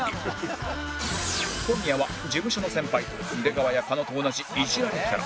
小宮は事務所の先輩出川や狩野と同じいじられキャラ